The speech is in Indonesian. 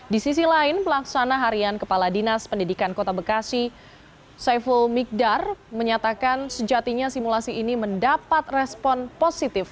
di sisi lain pelaksana harian kepala dinas pendidikan kota bekasi saiful migdar menyatakan sejatinya simulasi ini mendapat respon positif